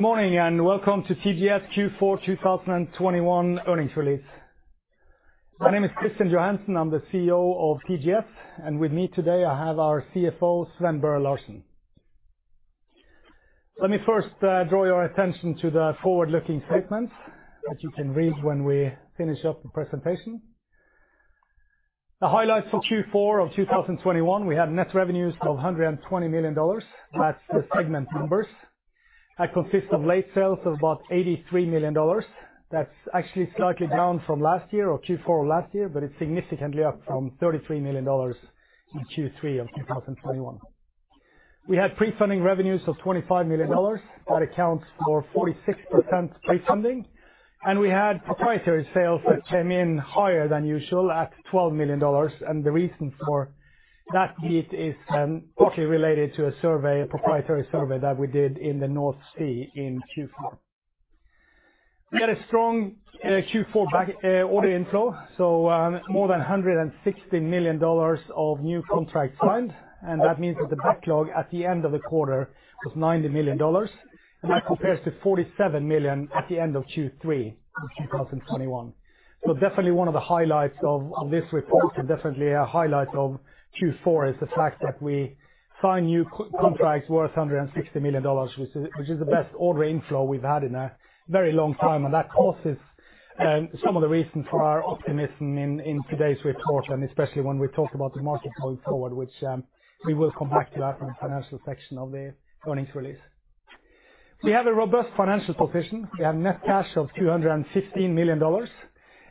Good morning, and welcome to TGS Q4 2021 earnings release. My name is Kristian Johansen. I'm the CEO of TGS. With me today, I have our CFO, Sven Børre Larsen. Let me first draw your attention to the forward-looking statements that you can read when we finish up the presentation. The highlights for Q4 2021, we have net revenues of $120 million. That's the segment numbers. That consists of data sales of about $83 million. That's actually slightly down from last year or Q4 last year, but it's significantly up from $33 million in Q3 2021. We have prefunding revenues of $25 million. That accounts for 46% prefunding. We had proprietary sales that came in higher than usual at $12 million. The reason for that hit is closely related to a survey, a proprietary survey, that we did in the North Sea in Q4. We had a strong Q4 backlog order inflow, so more than $160 million of new contracts signed. That means that the backlog at the end of the quarter was $90 million, and that compares to $47 million at the end of Q3 of 2021. Definitely one of the highlights of this report and definitely a highlight of Q4 is the fact that we signed new contracts worth $160 million, which is the best order inflow we've had in a very long time. That causes some of the reasons for our optimism in today's report, and especially when we talk about the market going forward, which we will come back to that in the financial section of the earnings release. We have a robust financial position. We have net cash of $215 million,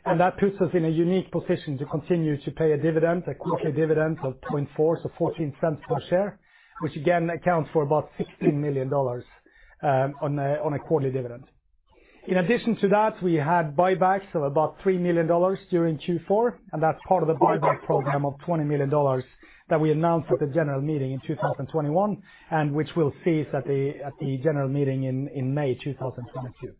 and that puts us in a unique position to continue to pay a dividend, a quarterly dividend of 0.4, so 14 cents per share, which again accounts for about $16 million on a quarterly dividend. In addition to that, we had buybacks of about $3 million during Q4, and that's part of the buyback program of $20 million that we announced at the general meeting in 2021, and which we'll cease at the general meeting in May 2022.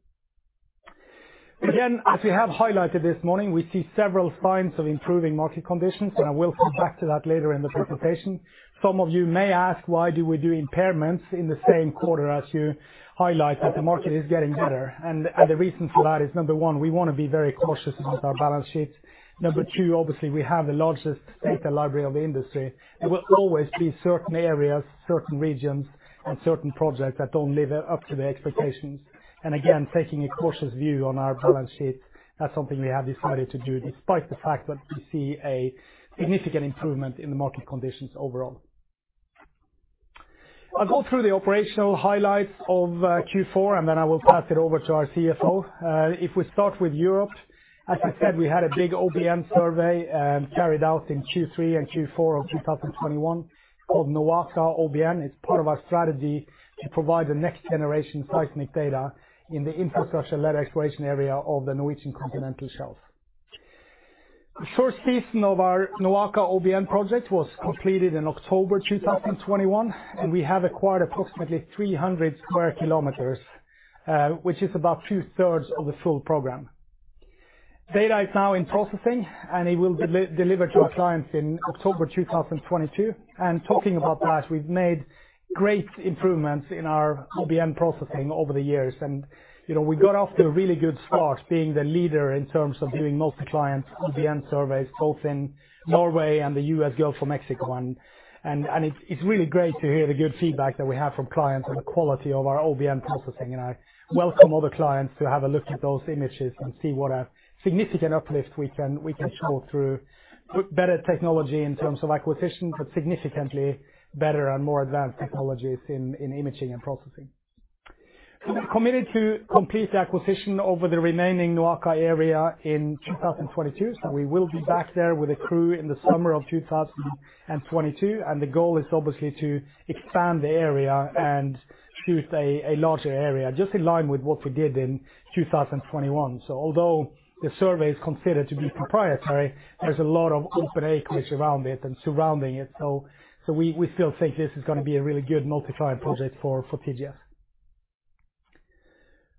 Again, as we have highlighted this morning, we see several signs of improving market conditions, and I will come back to that later in the presentation. Some of you may ask, why do we do impairments in the same quarter as you highlight that the market is getting better? The reason for that is, number one, we wanna be very cautious about our balance sheet. Number two, obviously, we have the largest data library of the industry. There will always be certain areas, certain regions, and certain projects that don't live up to the expectations. Again, taking a cautious view on our balance sheet, that's something we have decided to do despite the fact that we see a significant improvement in the market conditions overall. I'll go through the operational highlights of Q4, and then I will pass it over to our CFO. If we start with Europe, as I said, we had a big OBN survey carried out in Q3 and Q4 of 2021 called NOAKA OBN. It's part of our strategy to provide the next generation seismic data in the infrastructure-led exploration area of the Norwegian Continental Shelf. The first season of our NOAKA OBN project was completed in October 2021, and we have acquired approximately 300 sq km, which is about two-thirds of the full program. Data is now in processing, and it will deliver to our clients in October 2022. Talking about that, we've made great improvements in our OBN processing over the years. You know, we got off to a really good start being the leader in terms of doing multi-client OBN surveys, both in Norway and the U.S. Gulf of Mexico. It's really great to hear the good feedback that we have from clients on the quality of our OBN processing, and I welcome other clients to have a look at those images and see what a significant uplift we can show through better technology in terms of acquisition, but significantly better and more advanced technologies in imaging and processing. We have committed to complete the acquisition over the remaining NOAKA area in 2022, so we will be back there with a crew in the summer of 2022, and the goal is obviously to expand the area and shoot a larger area, just in line with what we did in 2021. Although the survey is considered to be proprietary, there's a lot of open acreage around it and surrounding it. We still think this is gonna be a really good multi-client project for TGS.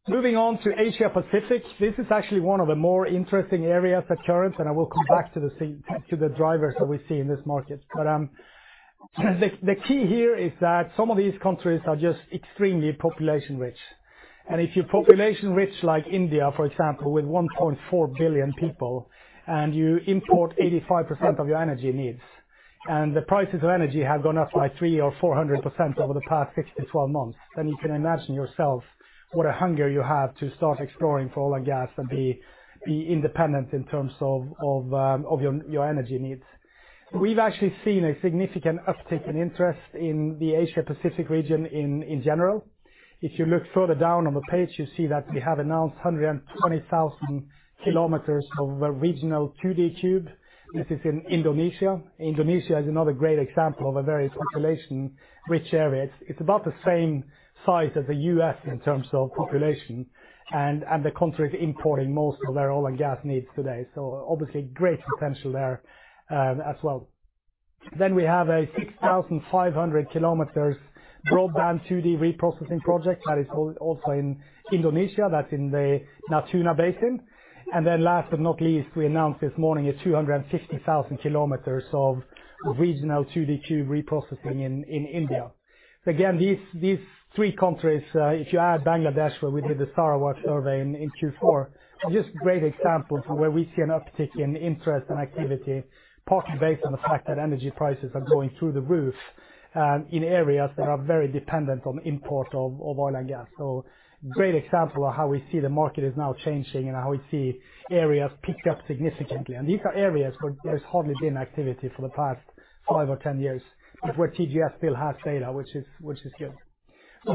Moving on to Asia Pacific, this is actually one of the more interesting areas for current, and I will come back to the drivers that we see in this market. The key here is that some of these countries are just extremely population rich. If you're population rich like India, for example, with 1.4 billion people, and you import 85% of your energy needs, and the prices of energy have gone up by 300%-400% over the past 6-12 months, then you can imagine yourself what a hunger you have to start exploring for oil and gas and be independent in terms of your energy needs. We've actually seen a significant uptick in interest in the Asia Pacific region in general. If you look further down on the page, you see that we have announced 120,000 km of a regional 2D to be. This is in Indonesia. Indonesia is another great example of a very population rich area. It's about the same size as the U.S. in terms of population and the country is importing most of their oil and gas needs today. Obviously great potential there as well. We have a 6,500 km broadband 2D reprocessing project that is also in Indonesia, that's in the Natuna Basin. Last but not least, we announced this morning 260,000 km of regional 2DQ reprocessing in India. Again, these three countries, if you add Bangladesh, where we did the Sarawak survey in Q4, are just great examples of where we see an uptick in interest and activity, partly based on the fact that energy prices are going through the roof, in areas that are very dependent on import of oil and gas. Great example of how we see the market is now changing and how we see areas picked up significantly. These are areas where there's hardly been activity for the past five or 10 years, but where TGS still has data which is good.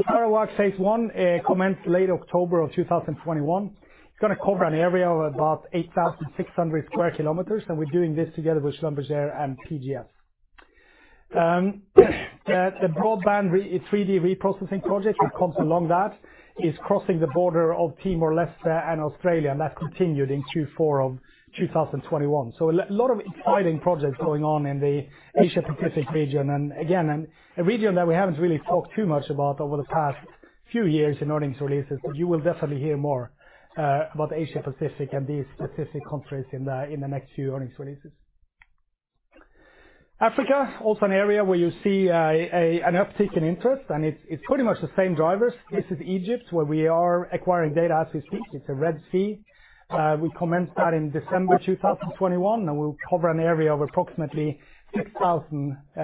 Sarawak phase one commenced late October 2021. It's gonna cover an area of about 8,600 sq km, and we're doing this together with Schlumberger and PGS. The broadband 3D reprocessing project that comes along that is crossing the border of Timor-Leste and Australia, and that continued in Q4 of 2021. A lot of exciting projects going on in the Asia-Pacific region. Again, a region that we haven't really talked too much about over the past few years in earnings releases, but you will definitely hear more about Asia-Pacific and these specific countries in the next few earnings releases. Africa, also an area where you see an uptick in interest, and it's pretty much the same drivers. This is Egypt, where we are acquiring data as we speak. It's the Red Sea. We commenced that in December 2021, and we'll cover an area of approximately 6,000 sq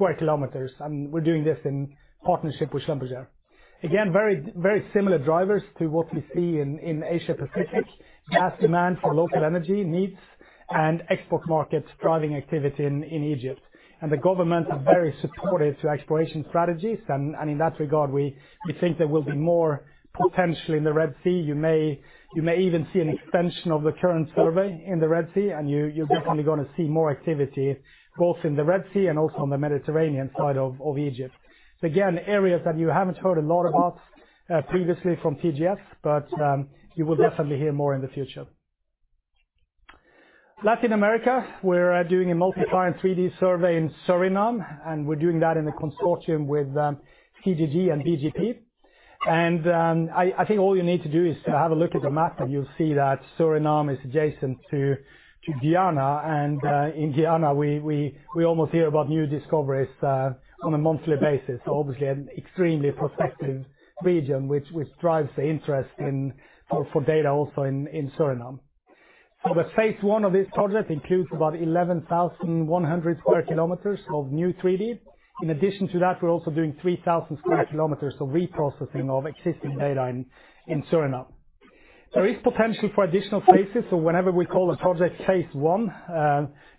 km, and we're doing this in partnership with Schlumberger. Again, very, very similar drivers to what we see in Asia-Pacific. Gas demand for local energy needs and export markets driving activity in Egypt. In that regard, we think there will be more potential in the Red Sea. You may even see an extension of the current survey in the Red Sea, and you're definitely gonna see more activity, both in the Red Sea and also on the Mediterranean side of Egypt. Again, areas that you haven't heard a lot about previously from TGS, but you will definitely hear more in the future. Latin America, we're doing a multi-client 3D survey in Suriname, and we're doing that in a consortium with CGG and BGP. I think all you need to do is to have a look at the map, and you'll see that Suriname is adjacent to Guyana. In Guyana, we almost hear about new discoveries on a monthly basis. Obviously an extremely prospective region which drives the interest in, for data also in Suriname. The phase 1 of this project includes about 11,100 sq km of new 3D. In addition to that, we're also doing 3,000 sq km of reprocessing of existing data in Suriname. There is potential for additional phases. Whenever we call a project phase 1,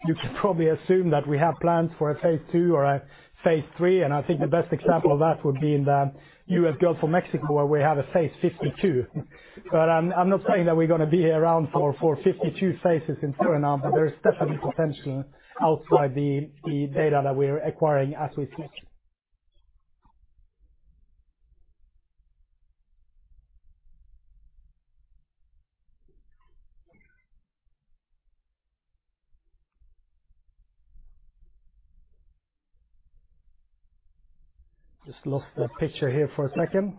you can probably assume that we have plans for a phase 2 or a phase 3, and I think the best example of that would be in the U.S. Gulf of Mexico, where we have a phase 52. I'm not saying that we're gonna be around for 52 phases in Suriname, but there is definitely potential outside the data that we're acquiring as we speak. Just lost the picture here for a second.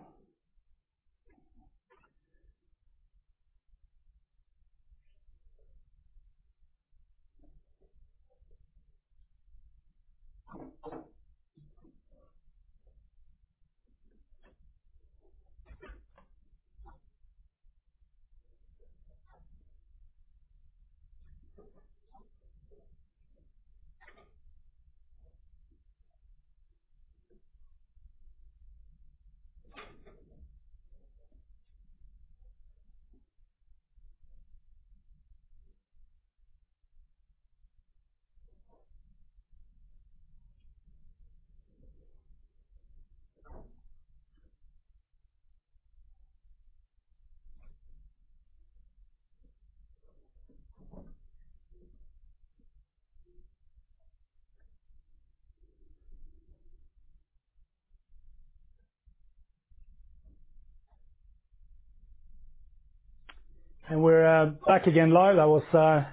We're back again live. That was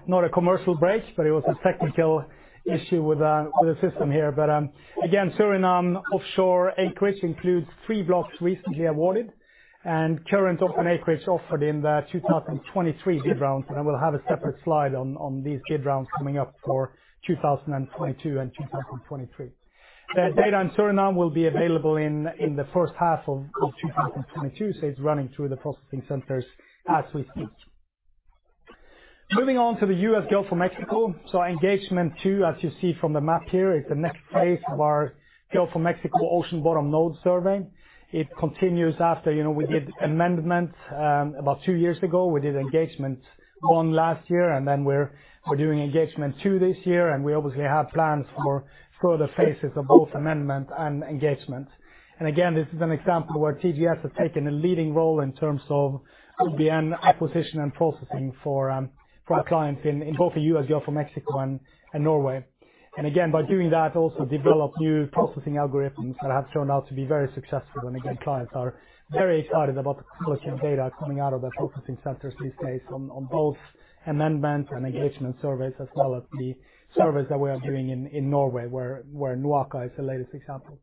not a commercial break, but it was a technical issue with the system here. Again, Suriname offshore acreage includes three blocks recently awarded and current open acreage offered in the 2023 bid rounds, and I will have a separate slide on these bid rounds coming up for 2022 and 2023. The data in Suriname will be available in the first half of 2022, so it's running through the processing centers as we speak. Moving on to the U.S. Gulf of Mexico. Engagement Two, as you see from the map here, is the next phase of our Gulf of Mexico ocean bottom node survey. It continues after, you know, we did Amendment about two years ago. We did Engagement One last year, and then we're doing Engagement Two this year, and we obviously have plans for further phases of both Amendment and Engagement. This is an example where TGS has taken a leading role in terms of OBN acquisition and processing for our clients in both the U.S. Gulf of Mexico and Norway. By doing that, also develop new processing algorithms that have turned out to be very successful. Clients are very excited about the quality of data coming out of the processing centers these days on both Amendment and Engagement surveys, as well as the surveys that we are doing in Norway, where NOAKA is the latest example.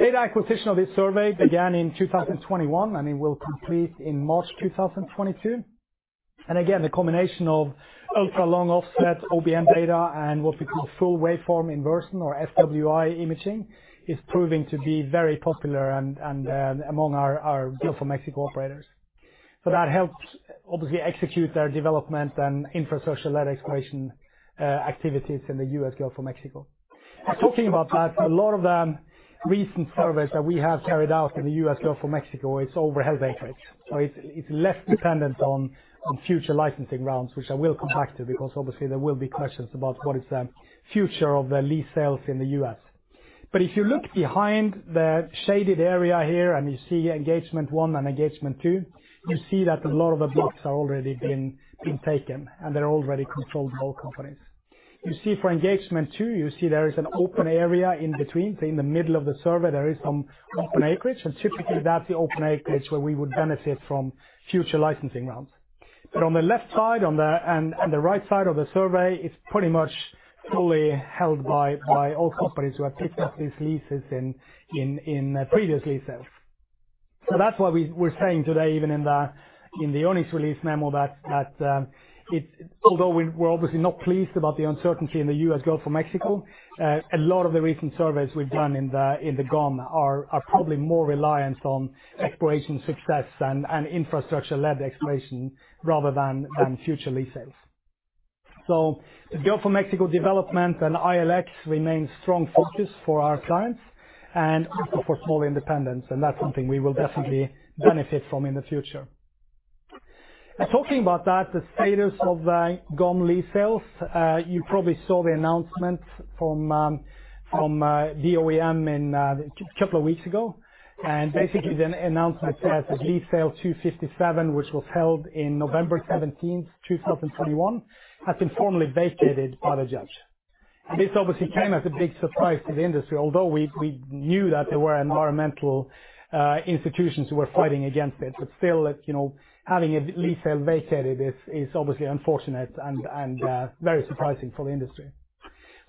Data acquisition of this survey began in 2021, and it will complete in March 2022. Again, the combination of ultra-long offset OBN data and what we call full waveform inversion or FWI imaging is proving to be very popular and among our Gulf of Mexico operators. That helps obviously execute their development and infrastructure-led exploration activities in the U.S. Gulf of Mexico. Talking about that, a lot of the recent surveys that we have carried out in the U.S. Gulf of Mexico is over held acreage. It's less dependent on future licensing rounds, which I will come back to, because obviously there will be questions about what is the future of the lease sales in the U.S. If you look behind the shaded area here and you see Engagement 1 and Engagement 2, you see that a lot of the blocks have already been taken, and they're already controlled by oil companies. You see for Engagement 2, you see there is an open area in between. In the middle of the survey, there is some open acreage, and typically that's the open acreage where we would benefit from future licensing rounds. On the left side and the right side of the survey, it's pretty much fully held by oil companies who have picked up these leases in previous lease sales. That's why we're saying today, even in the earnings release memo that although we're obviously not pleased about the uncertainty in the U.S. Gulf of Mexico, a lot of the recent surveys we've done in the GOM are probably more reliant on exploration success and infrastructure-led exploration rather than future lease sales. The Gulf of Mexico development and ILX remains strong focus for our clients and also for small independents, and that's something we will definitely benefit from in the future. Talking about that, the status of the GOM lease sales, you probably saw the announcement from BOEM in a couple of weeks ago. Basically, the announcement says that Lease Sale 257, which was held in November 17, 2021, has been formally vacated by the judge. This obviously came as a big surprise to the industry, although we knew that there were environmental institutions who were fighting against it. Still, you know, having a lease sale vacated is obviously unfortunate and very surprising for the industry.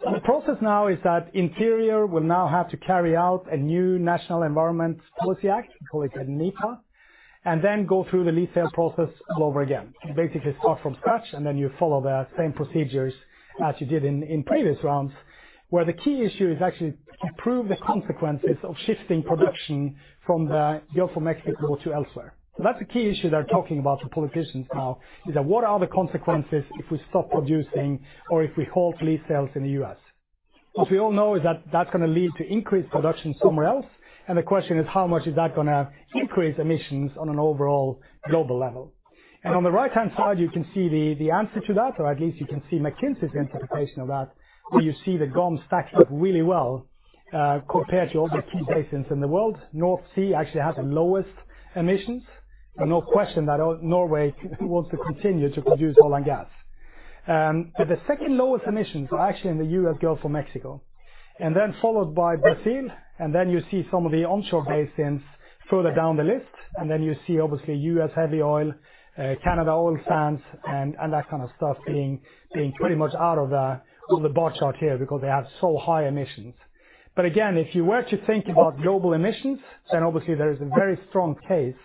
The process now is that Interior will now have to carry out a new National Environmental Policy Act, we call it a NEPA, and then go through the lease sale process all over again. You basically start from scratch, and then you follow the same procedures as you did in previous rounds, where the key issue is actually to prove the consequences of shifting production from the Gulf of Mexico to elsewhere. That's a key issue they're talking about to politicians now, is that what are the consequences if we stop producing or if we halt lease sales in the U.S.? What we all know is that that's gonna lead to increased production somewhere else, and the question is how much is that gonna increase emissions on an overall global level? On the right-hand side, you can see the answer to that, or at least you can see McKinsey's interpretation of that, where you see the GOM stacked up really well, compared to other key basins in the world. North Sea actually has the lowest emissions. No question that Norway wants to continue to produce oil and gas. The second lowest emissions are actually in the U.S. Gulf of Mexico, and then followed by Brazil, and then you see some of the onshore basins further down the list. Then you see obviously U.S. heavy oil, Canada oil sands and that kind of stuff being pretty much out of the bar chart here because they have so high emissions. Again, if you were to think about global emissions, then obviously there is a very strong case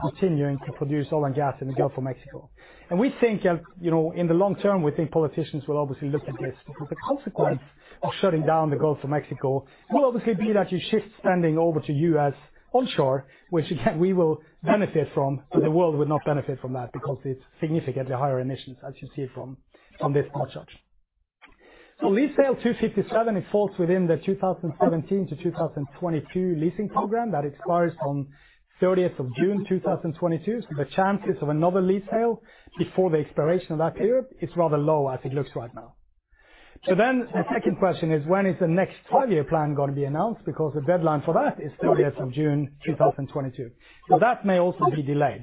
for continuing to produce oil and gas in the Gulf of Mexico. We think, you know, in the long term, we think politicians will obviously look at this because the consequence of shutting down the Gulf of Mexico will obviously be that you shift spending over to U.S. onshore, which again, we will benefit from. The world would not benefit from that because it's significantly higher emissions, as you see from this bar chart. Lease Sale 257, it falls within the 2017 to 2022 leasing program that expires on 30th of June 2022. The chances of another lease sale before the expiration of that period is rather low as it looks right now. The second question is, when is the next five-year plan gonna be announced? Because the deadline for that is 30th of June 2022. That may also be delayed.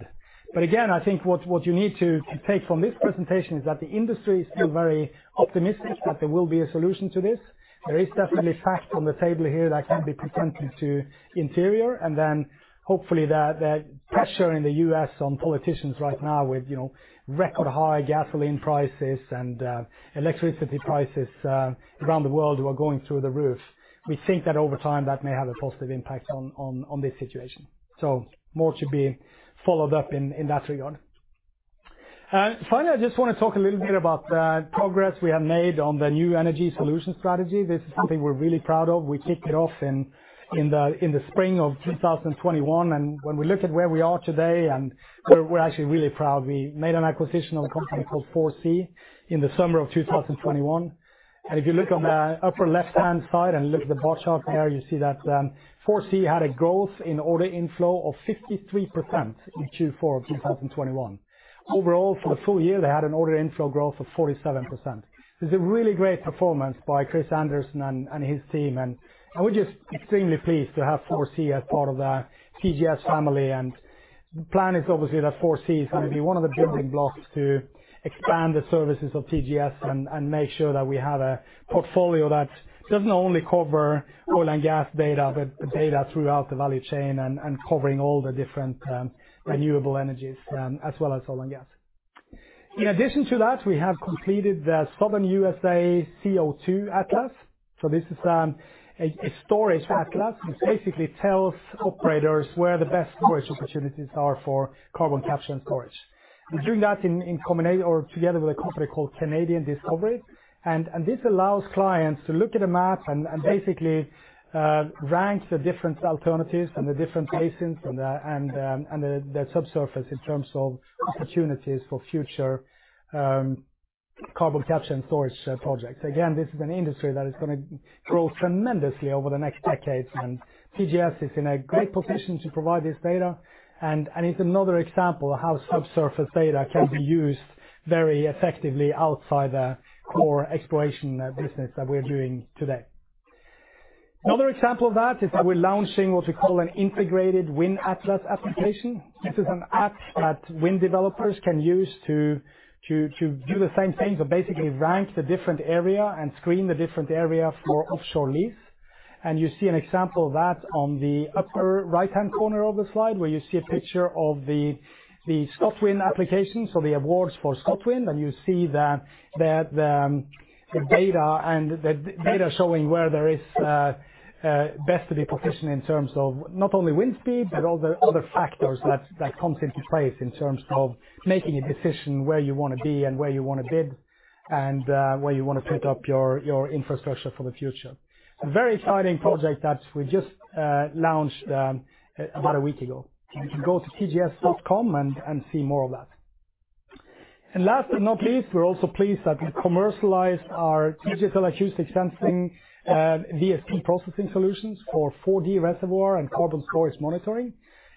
Again, I think what you need to take from this presentation is that the industry is still very optimistic that there will be a solution to this. There is definitely fact on the table here that can be presented to Interior, and then hopefully the pressure in the U.S. on politicians right now with, you know, record high gasoline prices and electricity prices around the world who are going through the roof. We think that over time, that may have a positive impact on this situation. More to be followed up in that regard. Finally, I just wanna talk a little bit about the progress we have made on the new energy solution strategy. This is something we're really proud of. We kicked it off in the spring of 2021, and when we look at where we are today, and we're actually really proud. We made an acquisition of a company called 4C in the summer of 2021. If you look on the upper left-hand side and look at the bar chart there, you see that, 4C had a growth in order inflow of 53% in Q4 of 2021. Overall, for the full year, they had an order inflow growth of 47%. This is a really great performance by Chris Anderson and his team. We're just extremely pleased to have 4C as part of the TGS family. The plan is obviously that 4C is gonna be one of the building blocks to expand the services of TGS and make sure that we have a portfolio that doesn't only cover oil and gas data, but data throughout the value chain and covering all the different renewable energies as well as oil and gas. In addition to that, we have completed the Southern USA CO₂ Atlas. This is a storage atlas which basically tells operators where the best storage opportunities are for carbon capture and storage. We're doing that together with a company called Canadian Discovery. This allows clients to look at a map and basically rank the different alternatives and the different basins and the subsurface in terms of opportunities for future carbon capture and storage projects. Again, this is an industry that is gonna grow tremendously over the next decades, and TGS is in a great position to provide this data, and it's another example of how subsurface data can be used very effectively outside the core exploration business that we're doing today. Another example of that is that we're launching what we call an integrated wind atlas application. This is an app that wind developers can use to do the same thing, so basically rank the different area and screen the different area for offshore lease. You see an example of that on the upper right-hand corner of the slide, where you see a picture of the ScotWind application, so the awards for ScotWind. You see that the data and the data showing where there is best to be positioned in terms of not only wind speed, but other factors that comes into play in terms of making a decision where you wanna be and where you wanna bid and where you wanna put up your infrastructure for the future. A very exciting project that we just launched about a week ago. You can go to tgs.com and see more of that. Last but not least, we're also pleased that we commercialized our digital acoustic sensing VSP processing solutions for 4D reservoir and carbon storage monitoring,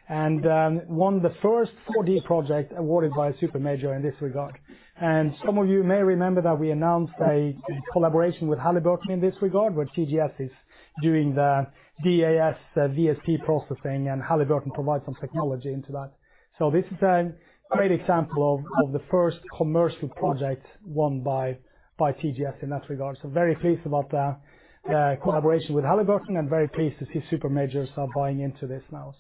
and won the first 4D project awarded by a super major in this regard. Some of you may remember that we announced a collaboration with Halliburton in this regard, where TGS is doing the DAS VSP processing, and Halliburton provides some technology into that. This is a great example of the first commercial project won by TGS in that regard. Very pleased about the collaboration with Halliburton and very pleased to see super majors are buying into this now.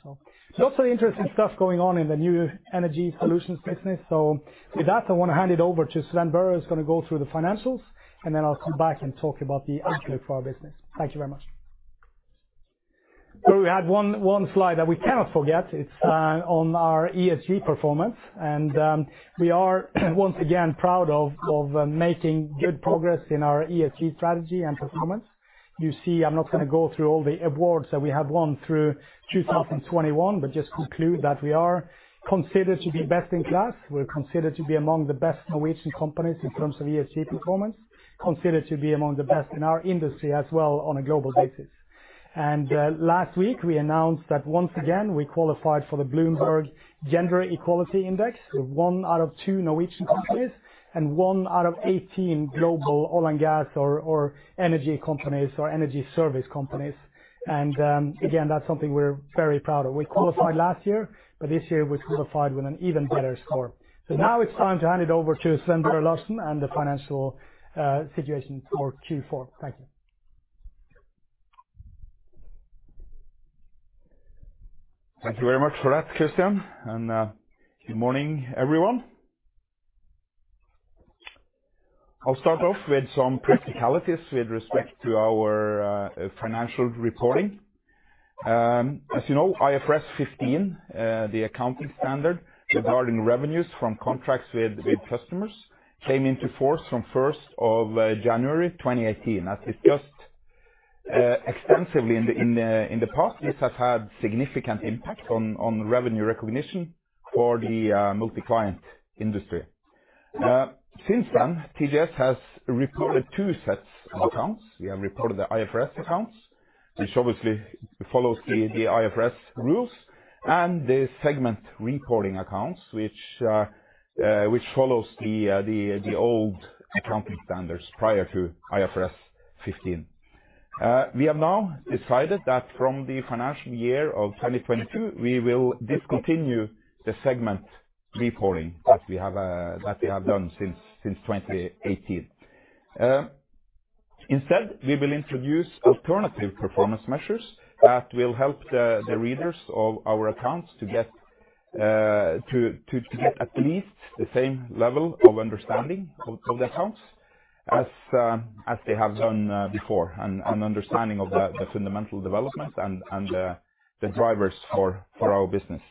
Lots of interesting stuff going on in the new energy solutions business. With that, I wanna hand it over to Sven Børre, who's gonna go through the financials, and then I'll come back and talk about the outlook for our business. Thank you very much. We had one slide that we cannot forget. It's on our ESG performance. We are once again proud of making good progress in our ESG strategy and performance. You see, I'm not gonna go through all the awards that we have won through 2021, but just conclude that we are considered to be best in class. We're considered to be among the best Norwegian companies in terms of ESG performance, considered to be among the best in our industry as well on a global basis. Last week, we announced that once again, we qualified for the Bloomberg Gender-Equality Index. We're 1 out of 2 Norwegian companies and 1 out of 18 global oil and gas or energy companies or energy service companies. Again, that's something we're very proud of. We qualified last year, but this year we qualified with an even better score. Now it's time to hand it over to Sven Børre Larsen and the financial situation for Q4. Thank you. Thank you very much for that, Kristian, and good morning, everyone. I'll start off with some practicalities with respect to our financial reporting. As you know, IFRS 15, the accounting standard regarding revenues from contracts with customers, came into force from 1 January 2018. This has had significant impact on revenue recognition for the multi-client industry. Since then, TGS has reported two sets of accounts. We have reported the IFRS accounts, which obviously follows the IFRS rules, and the segment reporting accounts which follows the old accounting standards prior to IFRS 15. We have now decided that from the financial year of 2022, we will discontinue the segment reporting that we have done since 2018. Instead, we will introduce alternative performance measures that will help the readers of our accounts to get at least the same level of understanding of the accounts as they have done before, and an understanding of the fundamental developments and the drivers for our business.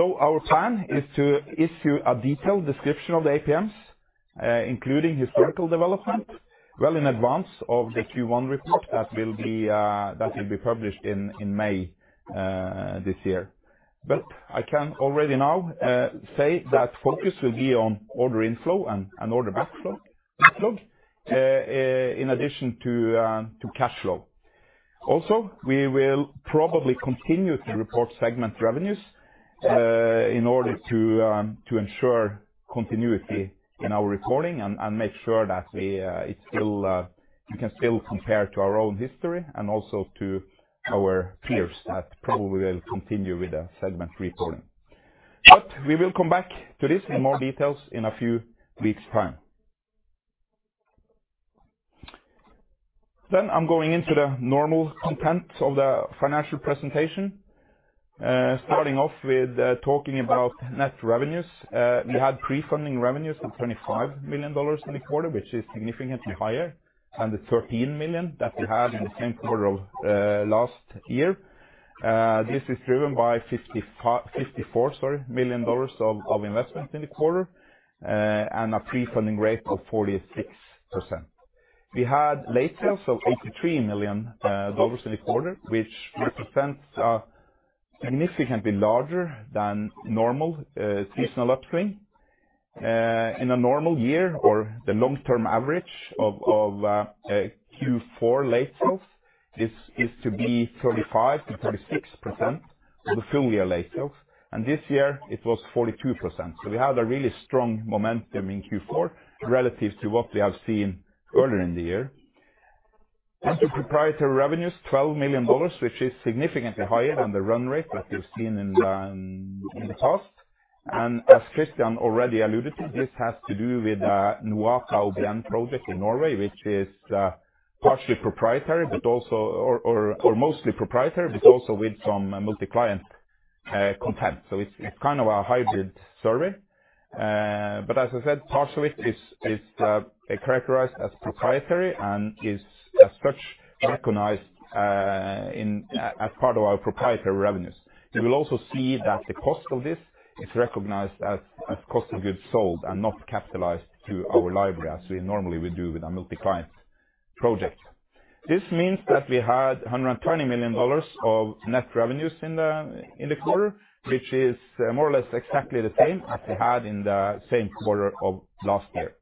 Our plan is to issue a detailed description of the APMs, including historical development well in advance of the Q1 report that will be published in May this year. I can already now say that focus will be on order inflow and order backlog in addition to cash flow. Also, we will probably continue to report segment revenues in order to ensure continuity in our reporting and make sure that we can still compare to our own history and also to our peers that probably will continue with the segment reporting. We will come back to this in more details in a few weeks' time. I'm going into the normal content of the financial presentation, starting off with talking about net revenues. We had prefunding revenues of $25 million in the quarter, which is significantly higher than the $13 million that we had in the same quarter of last year. This is driven by 55... $54 million of investment in the quarter and a prefunding rate of 46%. We had late sales of $83 million in the quarter, which represents a significantly larger than normal seasonal upstream. In a normal year or the long-term average of a Q4 late sales, this is to be 35%-36% of the full year late sales, and this year it was 42%. We have a really strong momentum in Q4 relative to what we have seen earlier in the year. Under proprietary revenues, $12 million, which is significantly higher than the run rate that we've seen in the past. As Kristian already alluded to, this has to do with the NOAKA OBN project in Norway, which is partially proprietary, but also... Mostly proprietary, but also with some multi-client content. It's kind of a hybrid survey. But as I said, part of it is characterized as proprietary and is as such recognized as part of our proprietary revenues. You will also see that the cost of this is recognized as cost of goods sold and not capitalized through our library as we normally would do with our multi-client project. This means that we had $120 million of net revenues in the quarter, which is more or less exactly the same as we had in the same quarter of last year.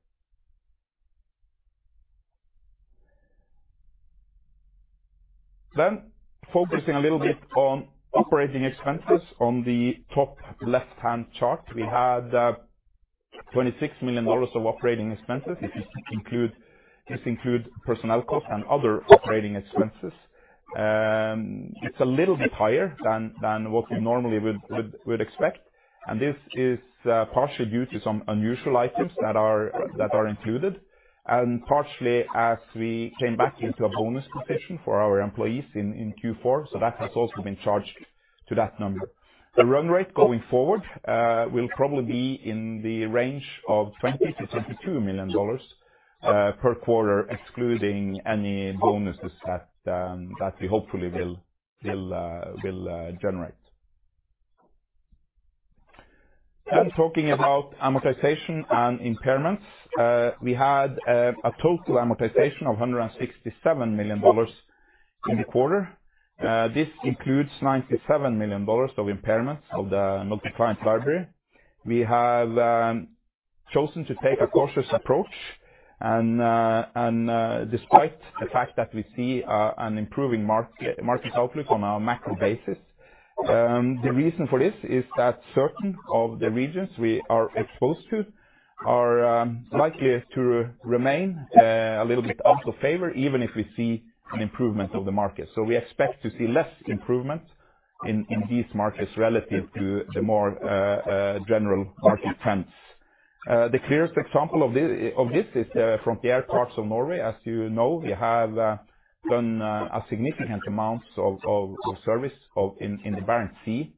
Focusing a little bit on operating expenses on the top left-hand chart. We had $26 million of operating expenses. If you include this, it includes personnel costs and other operating expenses. It's a little bit higher than what we normally would expect. This is partially due to some unusual items that are included. Partially as we came back into a bonus position for our employees in Q4, so that has also been charged to that number. The run rate going forward will probably be in the range of $20 million-$22 million per quarter, excluding any bonuses that we hopefully will generate. Talking about amortization and impairments. We had a total amortization of $167 million in the quarter. This includes $97 million of impairments of the multi-client library. We have chosen to take a cautious approach and despite the fact that we see an improving market outlook on a macro basis. The reason for this is that certain of the regions we are exposed to are likely to remain a little bit out of favor, even if we see an improvement of the market. We expect to see less improvement in these markets relative to the more general market trends. The clearest example of this is from the northern parts of Norway. As you know, we have done a significant amount of service in the Barents Sea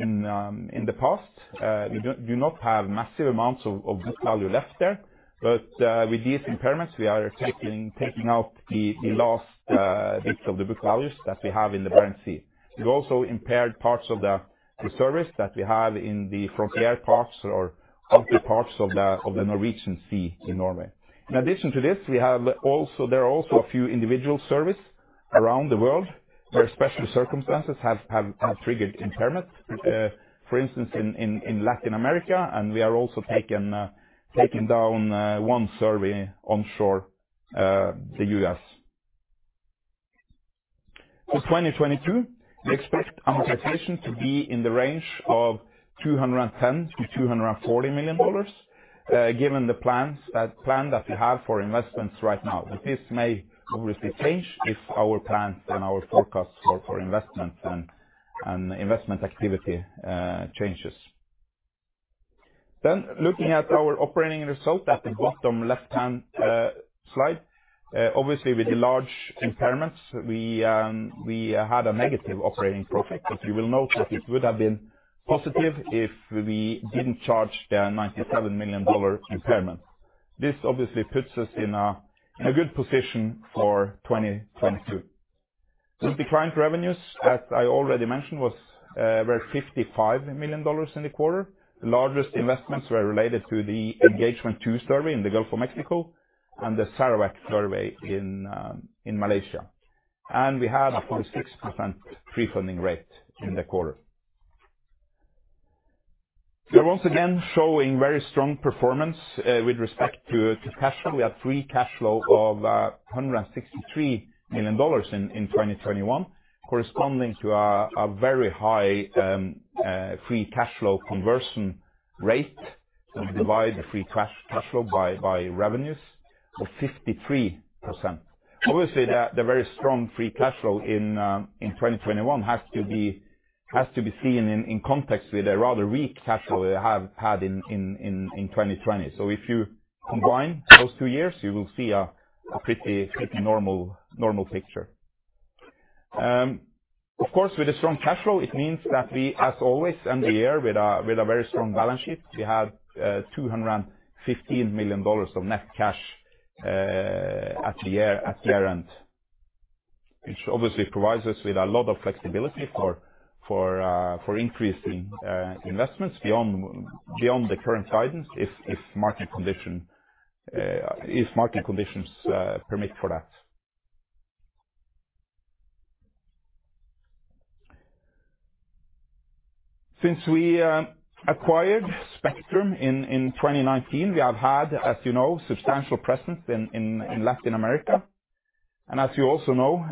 in the past. We do not have massive amounts of book value left there, but with these impairments we are taking out the last bits of the book values that we have in the Barents Sea. We also impaired parts of the surveys that we have in the frontier parts or outer parts of the Norwegian Sea in Norway. In addition to this, there are also a few individual surveys around the world where special circumstances have triggered impairment. For instance, in Latin America, and we are also taking down one survey onshore, the U.S. For 2022, we expect amortization to be in the range of $210 million-$240 million, given the plan that we have for investments right now. This may obviously change if our plans and our forecasts for investment and investment activity changes. Looking at our operating result at the bottom left-hand slide. Obviously, with the large impairments, we had a negative operating profit. You will note that it would have been positive if we didn't charge the $97 million impairment. This obviously puts us in a good position for 2022. Multi-client revenues, as I already mentioned, were $55 million in the quarter. The largest investments were related to the Engagement 2 survey in the Gulf of Mexico and the Sarawak survey in Malaysia. We had a 46% prefunding rate in the quarter. We are once again showing very strong performance with respect to cash flow. We have free cash flow of $163 million in 2021 corresponding to a very high free cash flow conversion rate when we divide the free cash flow by revenues of 53%. Obviously, the very strong free cash flow in 2021 has to be seen in context with a rather weak cash flow we have had in 2020. If you combine those two years, you will see a pretty normal picture. Of course, with the strong cash flow, it means that we, as always, end the year with a very strong balance sheet. We have $215 million of net cash at year-end, which obviously provides us with a lot of flexibility for increasing investments beyond the current guidance if market conditions permit for that. Since we acquired Spectrum in 2019, we have had, as you know, substantial presence in Latin America. As you also know,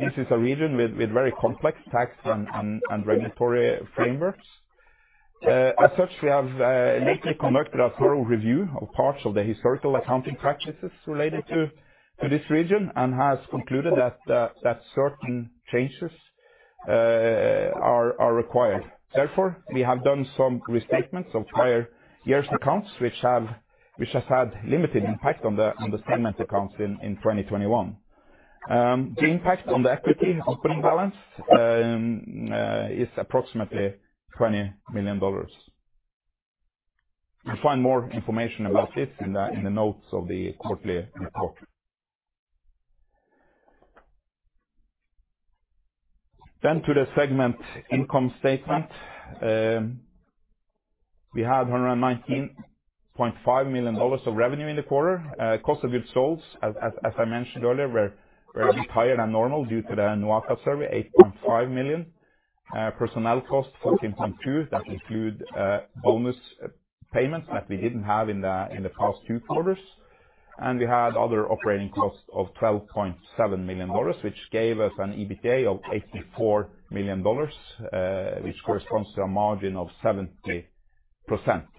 this is a region with very complex tax and regulatory frameworks. As such, we have lately conducted a thorough review of parts of the historical accounting practices related to this region and has concluded that certain changes are required. Therefore, we have done some restatements of prior years' accounts, which has had limited impact on the statement accounts in 2021. The impact on the equity opening balance is approximately $20 million. You'll find more information about this in the notes of the quarterly report. To the segment income statement. We had $119.5 million of revenue in the quarter. Cost of goods sold, as I mentioned earlier, were a bit higher than normal due to the annual survey, $8.5 million. Personnel costs, $14.2 million, that include bonus payments that we didn't have in the past two quarters. We had other operating costs of $12.7 million, which gave us an EBITDA of $84 million, which corresponds to a margin of 70%.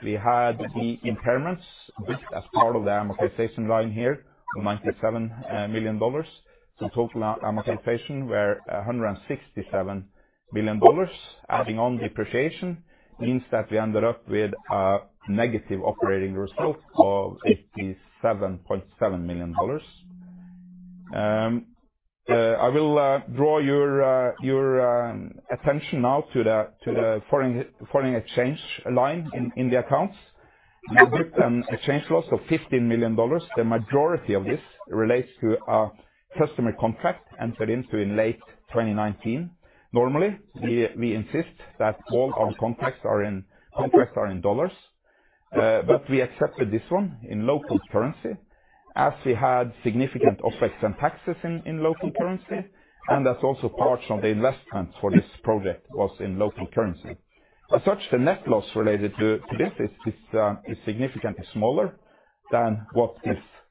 We had the impairments as part of the amortization line here, $97 million. Total amortization were $167 million. Adding on depreciation means that we ended up with a negative operating result of -$87.7 million. I will draw your attention now to the foreign exchange line in the accounts. We booked an exchange loss of $15 million. The majority of this relates to a customer contract entered into in late 2019. Normally, we insist that all our contracts are in dollars. We accepted this one in local currency as we had significant offsets and taxes in local currency. That's also parts of the investment for this project was in local currency. As such, the net loss related to this is significantly smaller than what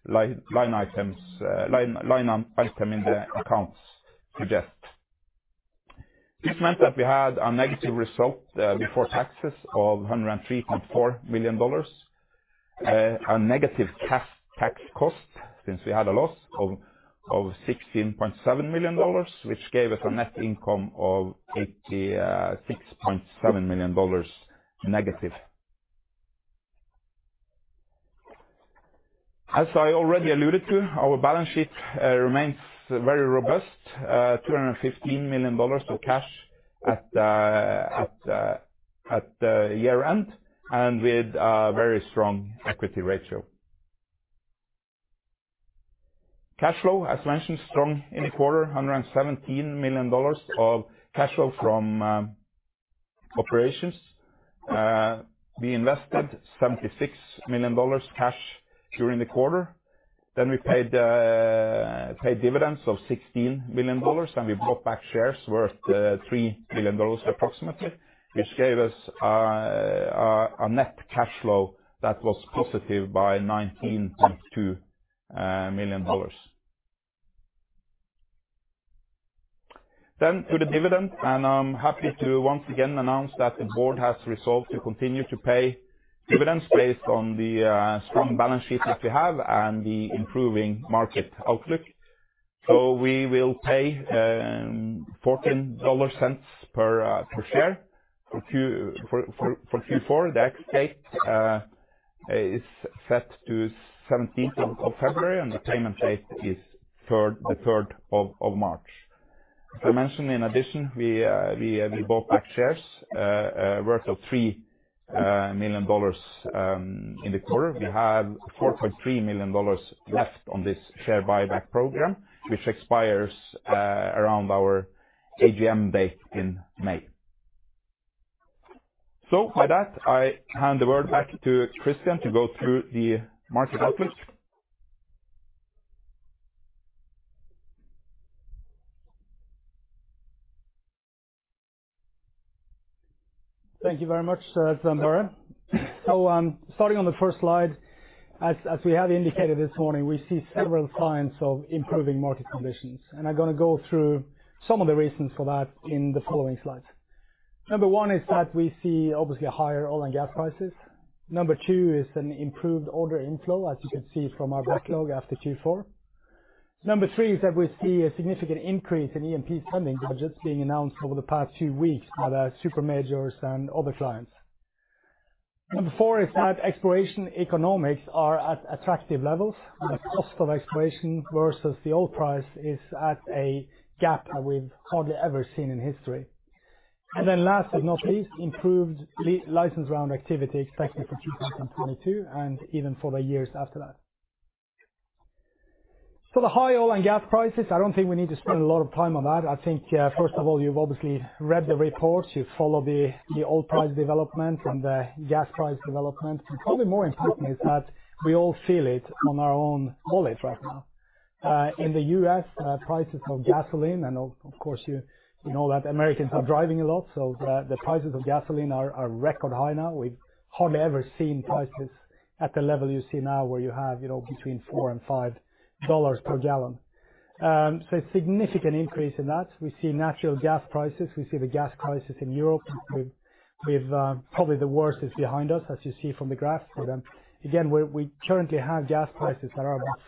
this line item in the accounts suggest. This meant that we had a negative result before taxes of $103.4 million. A negative cash tax cost since we had a loss of $16.7 million, which gave us a net income of $86.7 million negative. As I already alluded to, our balance sheet remains very robust. $215 million of cash at the year-end and with a very strong equity ratio. Cash flow, as mentioned, strong in the quarter. $117 million of cash flow from operations. We invested $76 million cash during the quarter. We paid dividends of $16 million, and we bought back shares worth approximately $3 million, which gave us a net cash flow that was positive by $19.2 million. To the dividend, I'm happy to once again announce that the board has resolved to continue to pay dividends based on the strong balance sheet that we have and the improving market outlook. We will pay $0.14 per share for Q4. The ex-date is set to 17th of February, and the payment date is 3rd of March. As I mentioned, in addition, we bought back shares worth $3 million in the quarter. We have $4.3 million left on this share buyback program, which expires around our AGM date in May. With that, I hand the word back to Kristian to go through the market outlook. Thank you very much, Sven Børre Larsen. Starting on the first slide, as we have indicated this morning, we see several signs of improving market conditions. I'm gonna go through some of the reasons for that in the following slides. Number one is that we see obviously higher oil and gas prices. Number two is an improved order inflow, as you can see from our backlog after Q4. Number three is that we see a significant increase in E&P spending budgets being announced over the past few weeks by the super majors and other clients. Number four is that exploration economics are at attractive levels, and the cost of exploration versus the oil price is at a gap that we've hardly ever seen in history. Last but not least, improved license round activity expected for 2022, and even for the years after that. For the high oil and gas prices, I don't think we need to spend a lot of time on that. I think, first of all, you've obviously read the reports. You follow the oil price development and the gas price development. Probably more important is that we all feel it on our own wallets right now. In the U.S., prices of gasoline and of course, you know that Americans are driving a lot, so the prices of gasoline are record high now. We've hardly ever seen prices at the level you see now, where you have, you know, between $4-$5 per gallon. So a significant increase in that. We see natural gas prices. We see the gas crisis in Europe. We've probably the worst is behind us, as you see from the graph. Again, we currently have gas prices that are about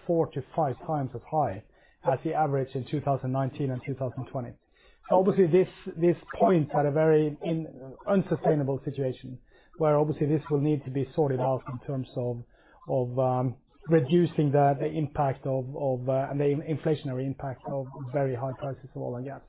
4-5 times as high as the average in 2019 and 2020. Obviously this points at a very unsustainable situation, where obviously this will need to be sorted out in terms of reducing the impact of and the inflationary impact of very high prices of oil and gas.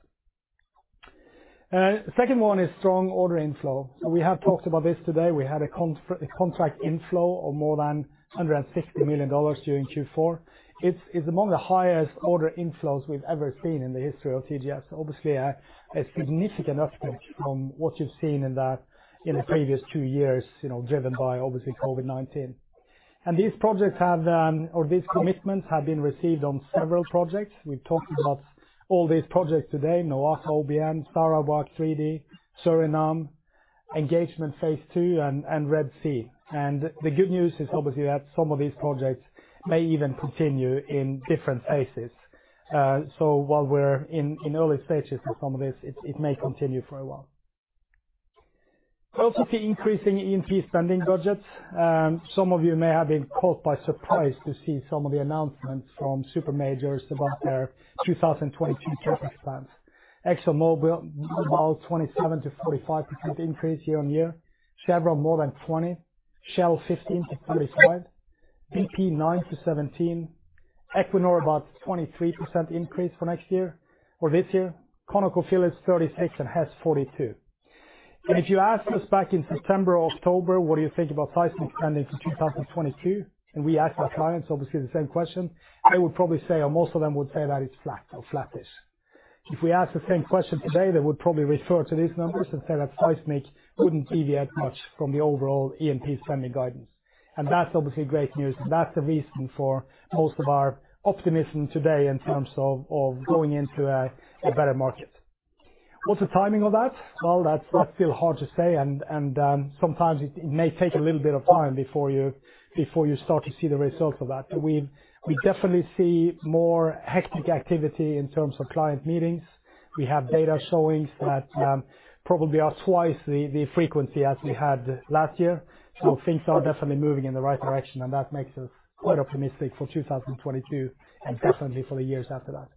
The second one is strong order inflow. We have talked about this today. We had a contract inflow of more than $150 million during Q4. It's among the highest order inflows we've ever seen in the history of TGS. Obviously a significant upgrade from what you've seen in the previous two years, you know, driven by, obviously, COVID-19. These projects have or these commitments have been received on several projects. We've talked about all these projects today, NOAKA, OBN, Sarawak 3D, Suriname, Engagement 2, and Red Sea. The good news is obviously that some of these projects may even continue in different phases. While we're in early stages for some of this, it may continue for a while. We also see increasing E&P spending budgets. Some of you may have been caught by surprise to see some of the announcements from super majors about their 2022 CapEx plans. ExxonMobil, about 27%-45% increase year-over-year. Chevron more than 20%. Shell 15%-35%. BP 9%-17%. Equinor about 23% increase for next year or this year. ConocoPhillips 36% and Hess 42%. If you asked us back in September or October, what do you think about seismic spending for 2022, and we asked our clients obviously the same question, I would probably say, or most of them would say that it's flat or flattish. If we ask the same question today, they would probably refer to these numbers and say that seismic wouldn't deviate much from the overall E&P spending guidance. That's obviously great news. That's the reason for most of our optimism today in terms of going into a better market. What's the timing of that? Well, that's still hard to say, and sometimes it may take a little bit of time before you start to see the results of that. We definitely see more hectic activity in terms of client meetings. We have data showing that we probably have twice the frequency as we had last year. Things are definitely moving in the right direction, and that makes us quite optimistic for 2022, and definitely for the years after that.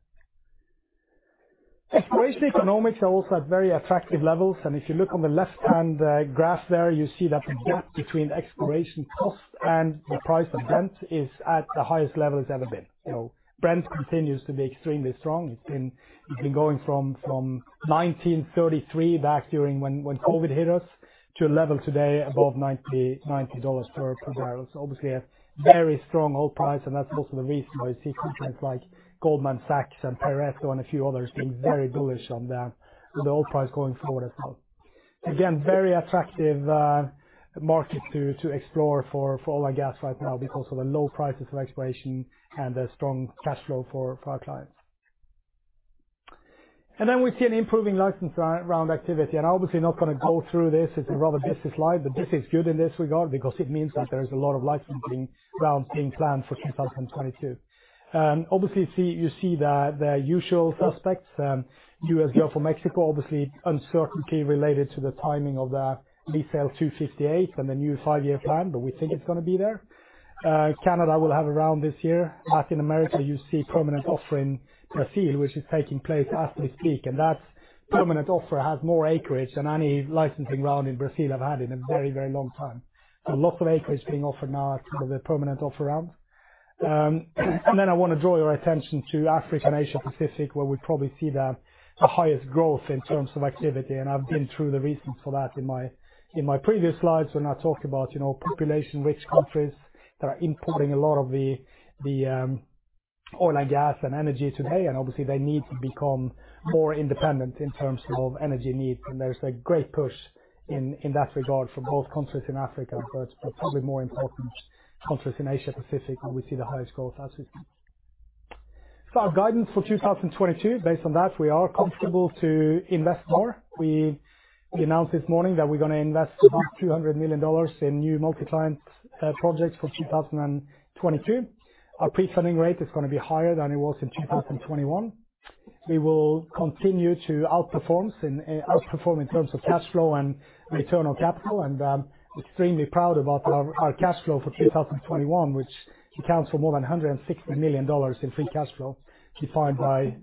Exploration economics are also at very attractive levels. If you look on the left-hand graph there, you see that the gap between exploration cost and the price of Brent is at the highest level it's ever been. You know, Brent continues to be extremely strong. It's been going from $19.33 back during when COVID hit us to a level today above $90 per barrel. Obviously a very strong oil price, and that's also the reason why you see companies like Goldman Sachs and Pareto and a few others being very bullish on the oil price going forward as well. Again, very attractive market to explore for oil and gas right now because of the low prices of exploration and the strong cash flow for our clients. We see an improving license round activity. Obviously not gonna go through this. It's a rather busy slide, but this is good in this regard because it means that there is a lot of licensing rounds being planned for 2022. Obviously you see the usual suspects. U.S. Gulf of Mexico, obviously uncertainty related to the timing of the Lease Sale 258 and the new five-year plan, but we think it's gonna be there. Canada will have a round this year. Latin America, you see permanent offer in Brazil, which is taking place as we speak. That permanent offer has more acreage than any licensing round in Brazil have had in a very, very long time. Lots of acreage being offered now at some of the permanent offer rounds. I wanna draw your attention to Africa and Asia Pacific, where we probably see the highest growth in terms of activity. I've been through the reasons for that in my previous slides when I talked about, you know, population-rich countries that are importing a lot of the oil and gas and energy today, and obviously they need to become more independent in terms of energy needs. There's a great push in that regard for both countries in Africa, but probably more important, countries in Asia Pacific where we see the highest growth as we speak. Our guidance for 2022, based on that, we are comfortable to invest more. We announced this morning that we're gonna invest about $200 million in new multi-client projects for 2022. Our pre-funding rate is gonna be higher than it was in 2021. We will continue to outperform in terms of cash flow and return on capital, and extremely proud about our cash flow for 2021, which accounts for more than $160 million in free cash flow, defined by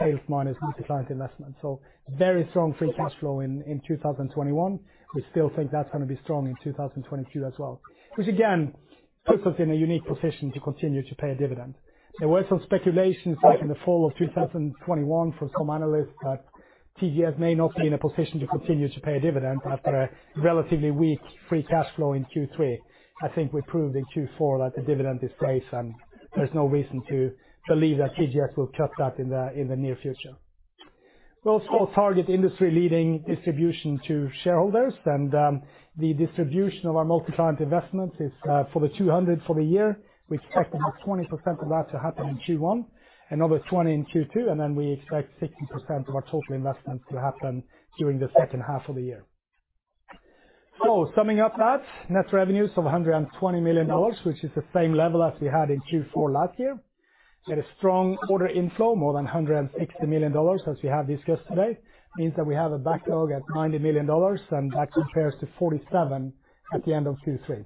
sales minus multi-client investment. Very strong free cash flow in 2021. We still think that's gonna be strong in 2022 as well. Which again puts us in a unique position to continue to pay a dividend. There were some speculations back in the fall of 2021 from some analysts that TGS may not be in a position to continue to pay a dividend after a relatively weak free cash flow in Q3. I think we proved in Q4 that the dividend is great, and there's no reason to believe that TGS will cut that in the near future. We also target industry-leading distribution to shareholders, and the distribution of our multi-client investments is for the 200 for the year. We expect about 20% of that to happen in Q1, another 20% in Q2, and then we expect 60% of our total investments to happen during the second half of the year. Summing up that, net revenues of $120 million, which is the same level as we had in Q4 last year. We had a strong order inflow, more than $160 million, as we have discussed today. Means that we have a backlog at $90 million, and that compares to $47 million at the end of Q3.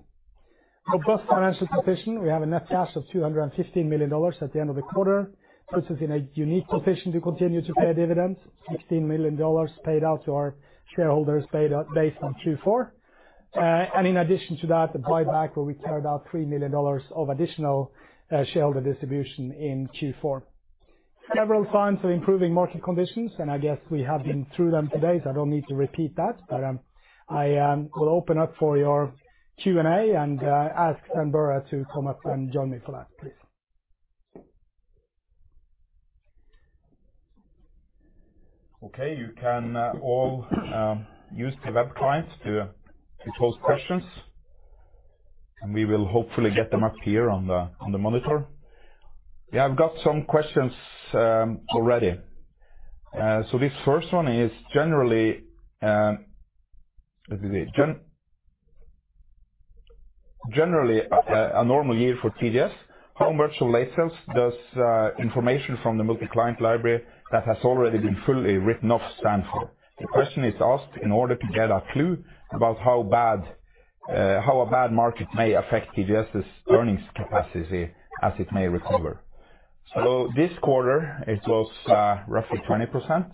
Robust financial position. We have a net cash of $215 million at the end of the quarter, puts us in a unique position to continue to pay a dividend. $16 million paid out to our shareholders based on Q4. In addition to that, the buyback where we carried out $3 million of additional shareholder distribution in Q4. Several signs of improving market conditions, and I guess we have been through them today, so I don't need to repeat that. I will open up for your Q&A, and ask Sven Børre Larsen to come up and join me for that, please. Okay, you can all use the web client to pose questions. We will hopefully get them up here on the monitor. Yeah, I've got some questions already. This first one is generally a normal year for TGS, how much of late sales does information from the multi-client library that has already been fully written off stand for? The question is asked in order to get a clue about how a bad market may affect TGS' earnings capacity as it may recover. This quarter, it was roughly 20%.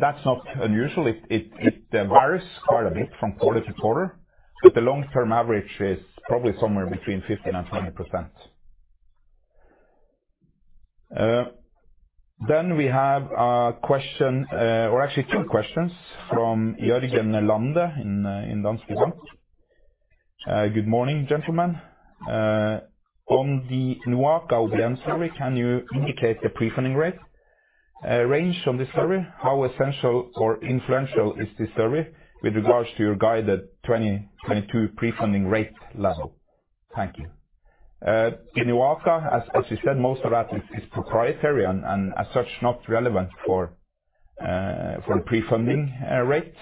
That's not unusual. It varies quite a bit from quarter to quarter, but the long-term average is probably somewhere between 15% and 20%. Then we have a question, or actually two questions from Jørgen Lande in Danske Bank. Good morning, gentlemen. On the NOAKA survey, can you indicate the prefunding rate range from the survey? How essential or influential is this survey with regards to your guided 2022 prefunding rate level? Thank you. In NOAKA, as you said, most of that is proprietary and as such, not relevant for prefunding rate.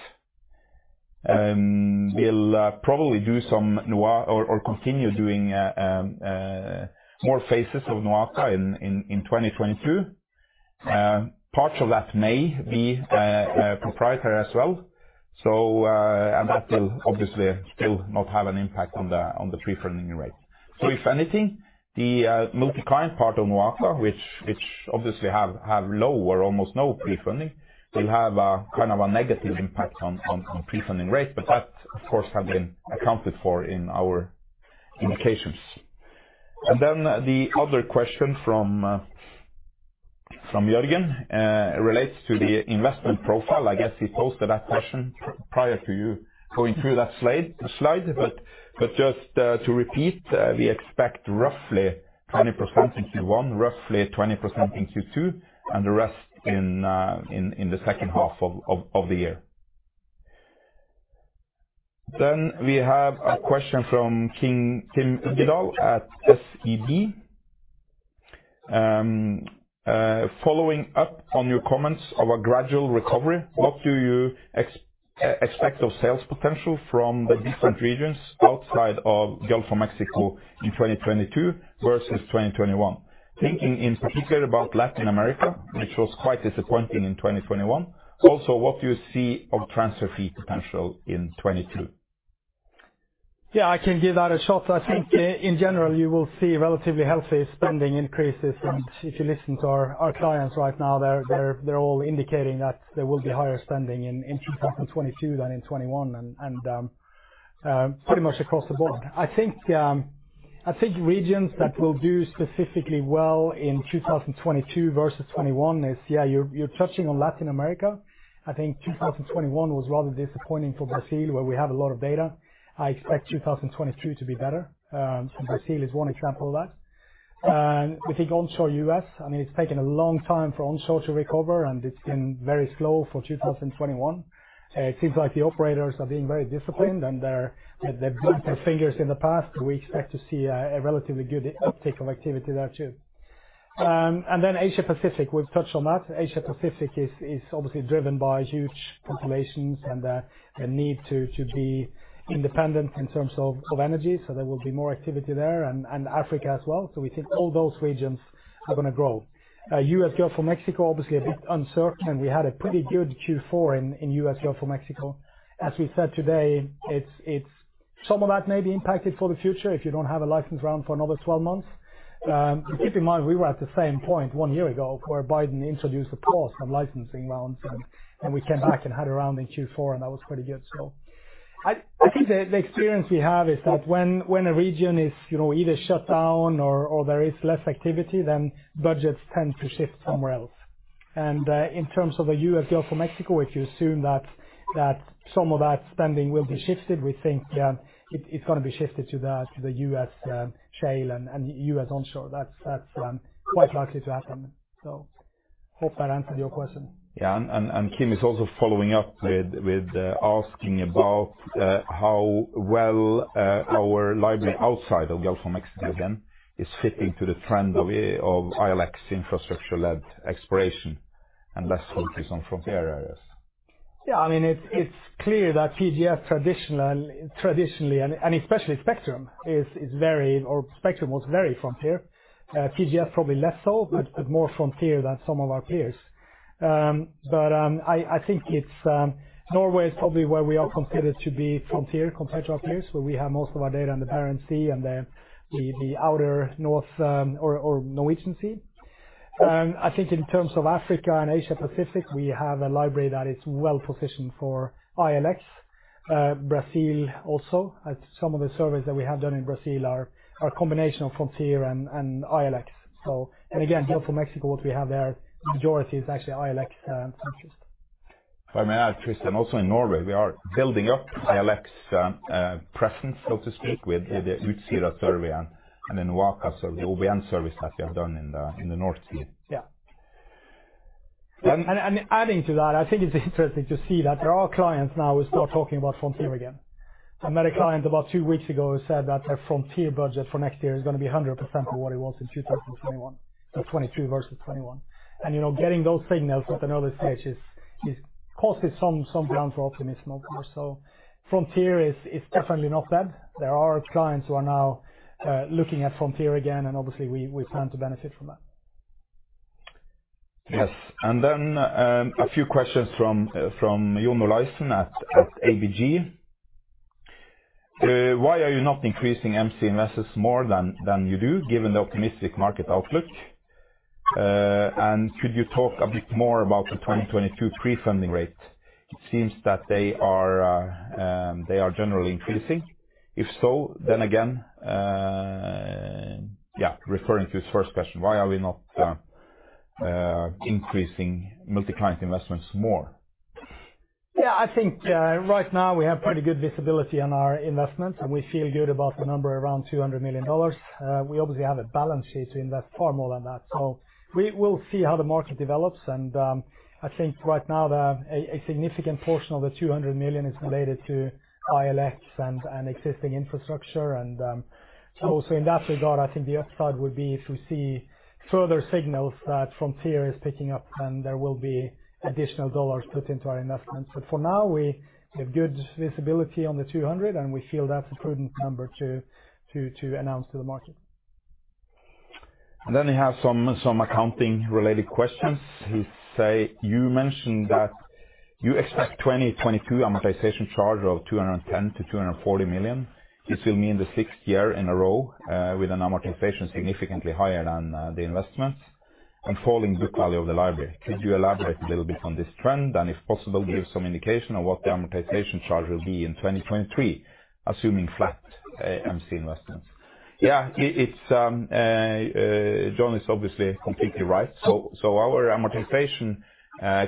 We'll probably do some or continue doing more phases of NOAKA in 2022. Parts of that may be proprietary as well. That will obviously still not have an impact on the prefunding rate. If anything, the multi-client part of NOAKA, which obviously have low or almost no prefunding, will have a kind of a negative impact on prefunding rates. But that, of course, have been accounted for in our indications. And then the other question from Jørgen relates to the investment profile. I guess he posted that question prior to you going through that slide. But just to repeat, we expect roughly 20% in Q1, roughly 20% in Q2, and the rest in the second half of the year. Then we have a question from Kim Vidal at SEB. Following up on your comments of a gradual recovery, what do you expect of sales potential from the different regions outside of Gulf of Mexico in 2022 versus 2021? Thinking in particular about Latin America, which was quite disappointing in 2021. Also, what do you see of transfer fee potential in 2022? Yeah, I can give that a shot. I think in general, you will see relatively healthy spending increases. If you listen to our clients right now, they're all indicating that there will be higher spending in 2022 than in 2021. Pretty much across the board. I think regions that will do specifically well in 2022 versus 2021 is, yeah, you're touching on Latin America. I think 2021 was rather disappointing for Brazil, where we have a lot of data. I expect 2022 to be better, and Brazil is one example of that. If you go onshore U.S., I mean, it's taken a long time for onshore to recover, and it's been very slow for 2021. It seems like the operators are being very disciplined, and they've burned their fingers in the past. We expect to see a relatively good uptake of activity there too. Asia Pacific, we've touched on that. Asia Pacific is obviously driven by huge populations and the need to be independent in terms of energy. There will be more activity there and Africa as well. We think all those regions are gonna grow. U.S. Gulf of Mexico, obviously a bit uncertain. We had a pretty good Q4 in U.S. Gulf of Mexico. As we said today, it's some of that may be impacted for the future if you don't have a license round for another 12 months. Keep in mind, we were at the same point one year ago where Biden introduced a pause on licensing rounds, and we came back and had a round in Q4, and that was pretty good. I think the experience we have is that when a region is, you know, either shut down or there is less activity, then budgets tend to shift somewhere else. In terms of the U.S. Gulf of Mexico, if you assume that some of that spending will be shifted, we think it's gonna be shifted to the U.S. shale and U.S. onshore. That's quite likely to happen. Hope that answered your question. Kim is also following up with asking about how well our library outside of Gulf of Mexico again is fitting to the trend of ILX infrastructure-led exploration and less focus on frontier areas. Yeah. I mean, it's clear that PGS traditionally, and especially Spectrum was very frontier. PGS probably less so, but more frontier than some of our peers. I think it's Norway is probably where we are considered to be frontier compared to our peers, where we have most of our data in the Barents Sea and the outer north, or Norwegian Sea. I think in terms of Africa and Asia Pacific, we have a library that is well-positioned for ILX. Brazil also. Some of the surveys that we have done in Brazil are a combination of frontier and ILX. So and again, Gulf of Mexico, what we have there, majority is actually ILX interest. If I may add, Kristian, also in Norway, we are building up ILX presence, so to speak, with the Utsira survey and then NOAKA survey, OBN surveys that we have done in the North Sea. Yeah. And- Adding to that, I think it's interesting to see that there are clients now who start talking about frontier again. I met a client about two weeks ago who said that their frontier budget for next year is gonna be 100% of what it was in 2021. 2023 versus 2021. You know, getting those signals at an early stage is causing some ground for optimism, obviously. Frontier is definitely not dead. There are clients who are now looking at frontier again, and obviously we stand to benefit from that. Yes. A few questions from John Olaisen at ABG. Why are you not increasing MC investments more than you do, given the optimistic market outlook? And could you talk a bit more about the 2022 prefunding rate? It seems that they are generally increasing. If so, then again, referring to his first question, why are we not increasing multi-client investments more? Yeah. I think right now we have pretty good visibility on our investments, and we feel good about the number around $200 million. We obviously have a balance sheet to invest far more than that. We will see how the market develops. I think right now a significant portion of the $200 million is related to ILX and existing infrastructure. So also in that regard, I think the upside would be if we see further signals that frontier is picking up, then there will be additional dollars put into our investments. For now, we have good visibility on the $200 million, and we feel that's a prudent number to announce to the market. Then we have some accounting-related questions. He says, you mentioned that you expect 2022 amortization charge of $210 million-$240 million. This will mean the sixth year in a row with an amortization significantly higher than the investments and falling book value of the library. Could you elaborate a little bit on this trend, and if possible, give some indication on what the amortization charge will be in 2023, assuming flat MC investments? Jon is obviously completely right. So our amortization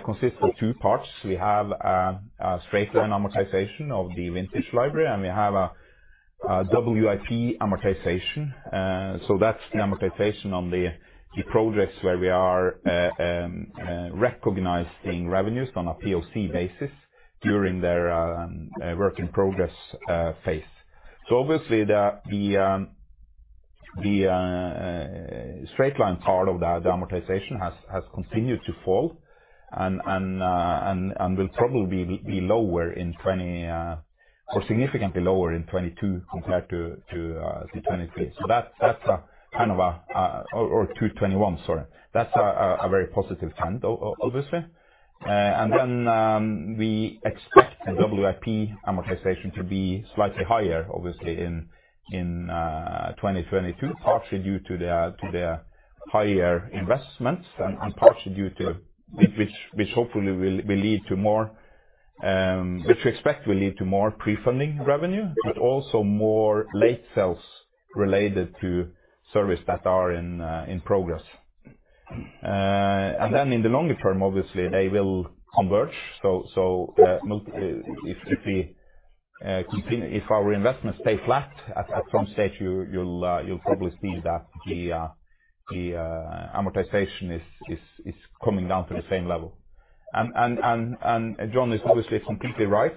consists of two parts. We have a straight line amortization of the vintage library, and we have a WIP amortization. That's the amortization on the projects where we are recognizing revenues on a POC basis during their work in progress phase. Obviously, the straight-line part of the amortization has continued to fall and will probably be significantly lower in 2022 compared to say 2021, sorry. That's a very positive trend obviously. Then we expect the WIP amortization to be slightly higher, obviously, in 2022, partly due to the higher investments and partly due to... which we expect will lead to more prefunding revenue, but also more late sales related to service that are in progress. Then in the longer term, obviously, they will converge. If our investments stay flat, at some stage you'll probably see that the amortization is coming down to the same level. John is obviously completely right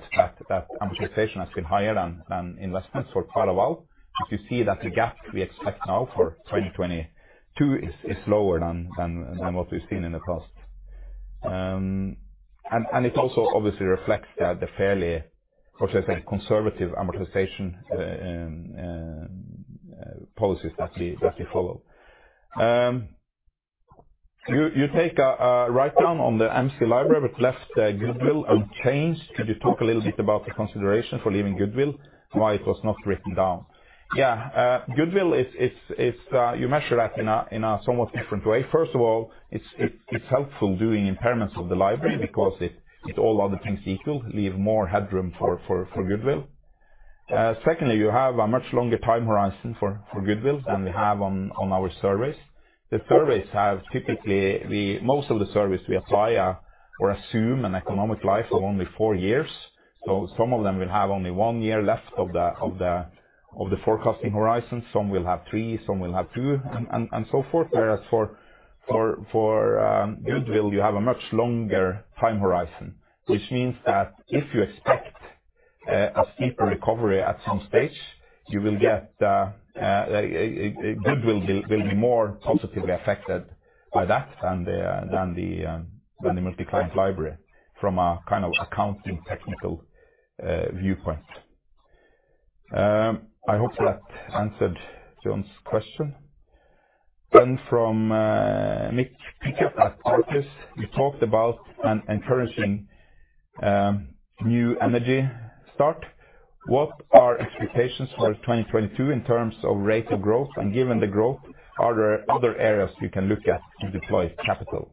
that amortization has been higher than investments for quite a while. If you see that the gap we expect now for 2022 is lower than what we've seen in the past. It also obviously reflects that the fairly, how should I say, conservative amortization policies that we follow. You take a write down on the MC library but left the goodwill unchanged. Could you talk a little bit about the consideration for leaving goodwill, why it was not written down? Yeah. Goodwill is you measure that in a somewhat different way. First of all, it's helpful doing impairments of the library because it all other things equal, leave more headroom for goodwill. Secondly, you have a much longer time horizon for goodwill than we have on our surveys. The surveys have typically most of the surveys we apply or assume an economic life of only four years. Some of them will have only one year left of the forecasting horizon. Some will have three, some will have two, and so forth. For goodwill, you have a much longer time horizon, which means that if you expect a steeper recovery at some stage, you will get goodwill will be more positively affected by that than the multi-client library from a kind of accounting technical viewpoint. I hope that answered John's question. From Mick Pickup at Barclays, you talked about an encouraging new energy start. What are expectations for 2022 in terms of rate of growth? And given the growth, are there other areas we can look at to deploy capital?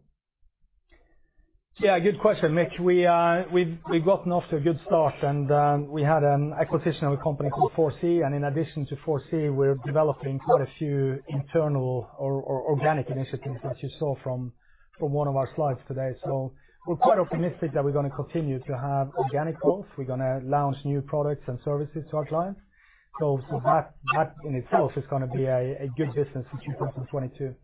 Yeah, good question, Mick. We've gotten off to a good start, and we had an acquisition of a company called Foresee. In addition to Foresee, we're developing quite a few internal or organic initiatives as you saw from one of our slides today. We're quite optimistic that we're gonna continue to have organic growth. We're gonna launch new products and services to our clients. That in itself is gonna be a good business in 2022.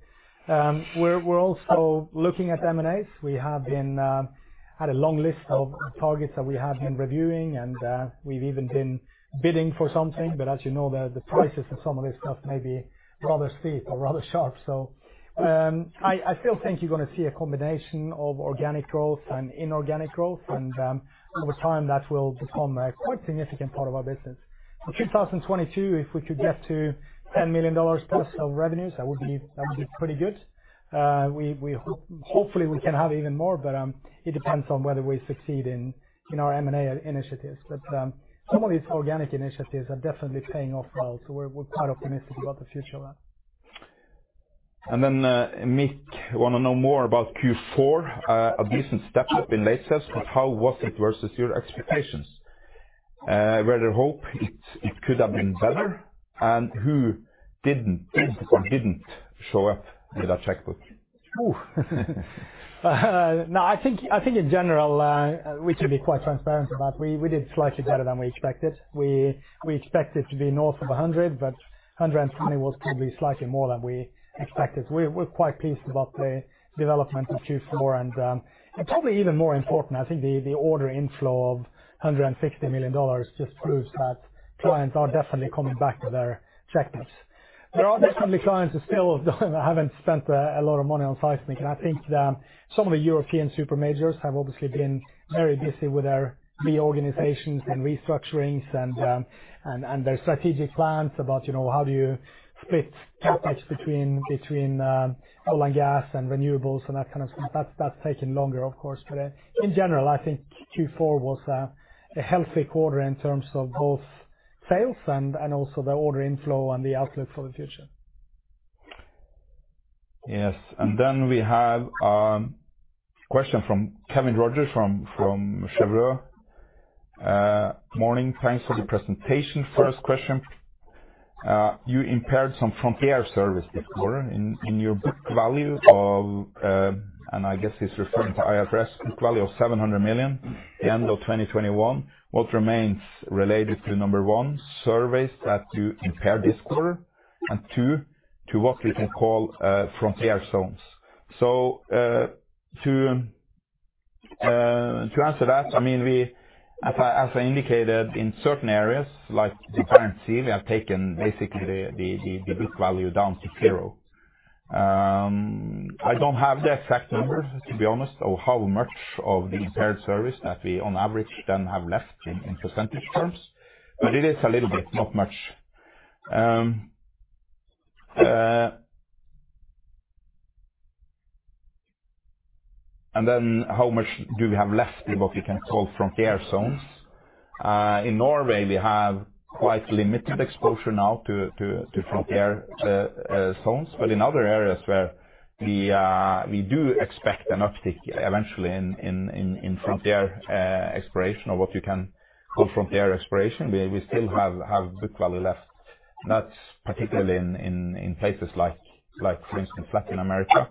We're also looking at M&As. We had a long list of targets that we have been reviewing, and we've even been bidding for something. But as you know, the prices for some of this stuff may be rather steep or rather sharp. I still think you're gonna see a combination of organic growth and inorganic growth, and over time, that will become a quite significant part of our business. In 2022, if we could get to $10 million plus of revenues, that would be pretty good. We hopefully can have even more, but it depends on whether we succeed in our M&A initiatives. Some of these organic initiatives are definitely paying off well, we're quite optimistic about the future of that. Mick Pickup wants to know more about Q4. A decent step up in lease sales, but how was it versus your expectations? Whereas the hope was it could have been better, and who didn't show up with a checkbook? No, I think in general we can be quite transparent about. We did slightly better than we expected. We expected to be north of 100, but 120 was probably slightly more than we expected. We're quite pleased about the development of Q4. Probably even more important, I think the order inflow of $160 million just proves that clients are definitely coming back with their checkbooks. There are definitely clients who still haven't spent a lot of money on seismic. I think that some of the European super majors have obviously been very busy with their reorganizations and restructurings and their strategic plans about, you know, how do you split CapEx between oil and gas and renewables and that kind of stuff. That's taking longer, of course. In general, I think Q4 was a healthy quarter in terms of both sales and also the order inflow and the outlook for the future. Yes. Then we have a question from Kevin Rogers from Chevron. Morning. Thanks for the presentation. First question, you impaired some frontier surveys this quarter in your book value of $700 million, end of 2021. What remains related to number 1, surveys that you impaired this quarter and 2, to what we can call frontier zones? To answer that, I mean, we—as I indicated, in certain areas like the Barents Sea, we have taken basically the book value down to zero. I don't have the exact numbers, to be honest, of how much of the impaired surveys that we on average then have left in percentage terms. But it is a little bit, not much. How much do we have left in what we can call frontier zones? In Norway, we have quite limited exposure now to frontier zones. In other areas where we do expect an uptick eventually in frontier exploration or what you can call frontier exploration, we still have book value left. That's particularly in places like for instance, Latin America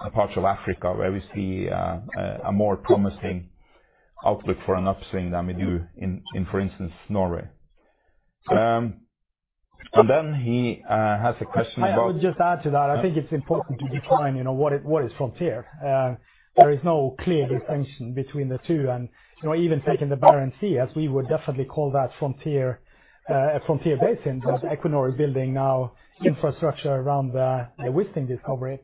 and parts of Africa where we see a more promising outlook for an uptick than we do in for instance, Norway. He has a question about- I would just add to that. I think it's important to define, you know, what is frontier. There is no clear distinction between the two. You know, even taking the Barents Sea, as we would definitely call that frontier, a frontier basin, but Equinor is building now infrastructure around the Wisting discovery.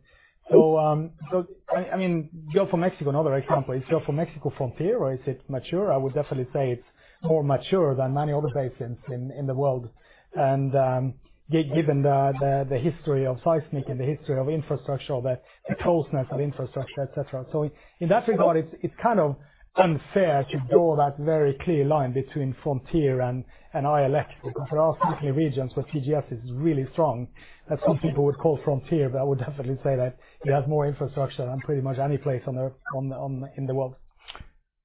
I mean, Gulf of Mexico, another example. Is Gulf of Mexico frontier or is it mature? I would definitely say it's more mature than many other basins in the world. Given the history of seismic and the history of infrastructure or the closeness of infrastructure, et cetera. In that regard, it's kind of unfair to draw that very clear line between frontier and ILX. Because there are certainly regions where PGS is really strong that some people would call frontier, but I would definitely say that it has more infrastructure than pretty much any place in the world.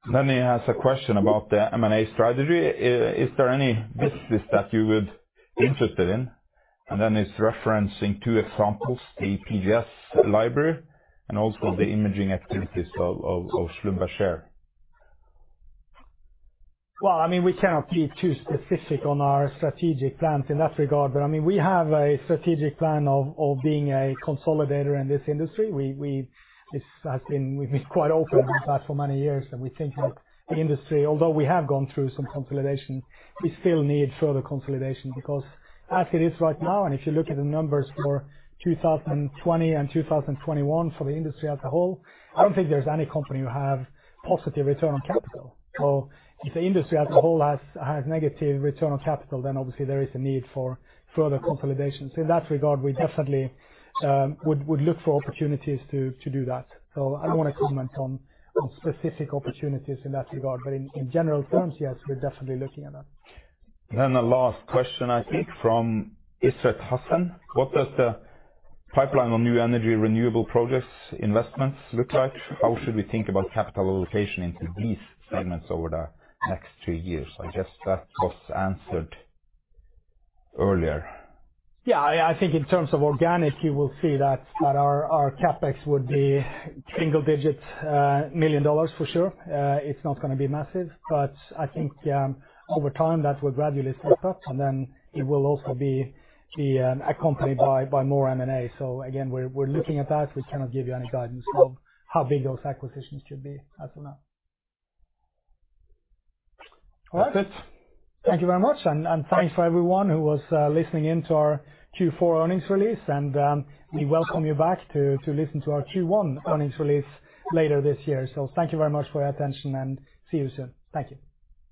He has a question about the M&A strategy. Is there any business that you would interested in? It's referencing two examples, the PGS Library and also the imaging activities of Schlumberger. Well, I mean, we cannot be too specific on our strategic plans in that regard. I mean, we have a strategic plan of being a consolidator in this industry. We've been quite open about that for many years, that we think that the industry, although we have gone through some consolidation, we still need further consolidation. Because as it is right now, and if you look at the numbers for 2020 and 2021 for the industry as a whole, I don't think there's any company who have positive return on capital. So if the industry as a whole has negative return on capital, then obviously there is a need for further consolidation. So in that regard, we definitely would look for opportunities to do that. I don't want to comment on specific opportunities in that regard. In general terms, yes, we're definitely looking at that. The last question, I think, from Ishrat Hassan. What does the pipeline on new energy renewable projects investments look like? How should we think about capital allocation into these segments over the next two years? I guess that was answered earlier. Yeah. I think in terms of organic, you will see that our CapEx would be single-digit $ million for sure. It's not gonna be massive. I think over time, that will gradually step up, and then it will also be accompanied by more M&A. Again, we're looking at that. We cannot give you any guidance of how big those acquisitions should be as of now. All right. That's it. Thank you very much. Thanks for everyone who was listening in to our Q4 earnings release. We welcome you back to listen to our Q1 earnings release later this year. Thank you very much for your attention, and see you soon. Thank you.